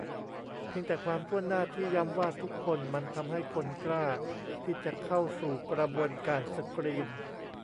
เพียงแต่ความถ้วนหน้าที่ย้ำว่า "ทุกคน" มันทำให้คนกล้าที่จะเข้าสู่กระบวนการสกรีน